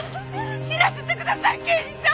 死なせてください刑事さん！